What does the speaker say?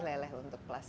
berlangsung berapa lama